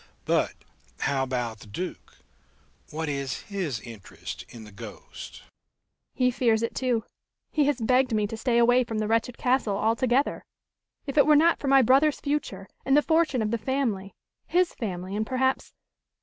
But, how about the Duke? What is his interest in the ghost?" "He fears it, too. He has begged me to stay away from the wretched castle altogether. If it were not for my brother's future, and the fortune of the family his family, and perhaps